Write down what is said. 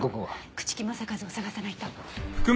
朽木政一を捜さないと。